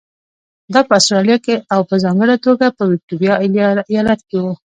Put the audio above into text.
دا په اسټرالیا او په ځانګړې توګه په ویکټوریا ایالت کې وو.